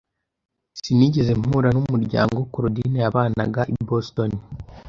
Sinigeze mpura n'umuryango Korodina yabanaga i Boston.